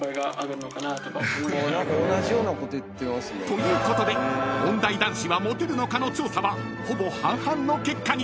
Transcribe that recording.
［ということで音大男子はモテるのかの調査はほぼ半々の結果に］